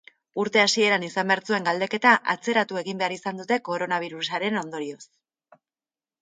Urte hasieran izan behar zuen galdeketa atzeratu egin behar izan dute koronabirusaren ondorioz.